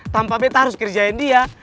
tanpa beta harus kerjain dia